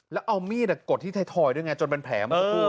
แล้วเอามีดกดที่ถอยด้วยไงจนมันแผลมากับตัว